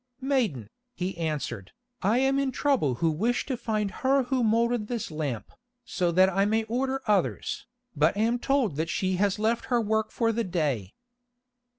"Maiden," he answered, "I am in trouble who wish to find her who moulded this lamp, so that I may order others, but am told that she has left her work for the day."